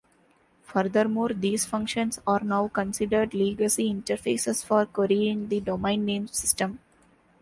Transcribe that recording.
Furthermore, these functions are now considered legacy interfaces for querying the domain name system.